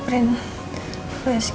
sekedar sekedar set pleasant